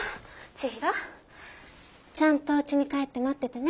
ちひろちゃんとおうちに帰って待っててね。